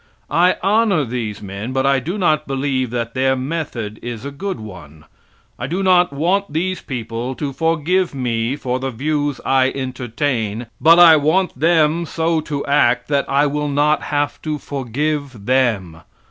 I honor these men, but I do not believe that their method is a good one. I do not want these people to forgive me for the views I entertain, but I want them so to act that I will not have to forgive them.